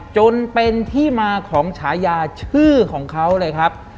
จนเป็นที่มาของฉายาชื่อของเขาเลยครับ